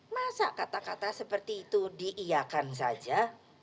masa kata kata seperti itu di iya kan saja